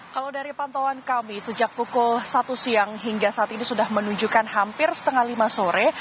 kalau dari pantauan kami sejak pukul satu siang hingga saat ini sudah menunjukkan hampir setengah lima sore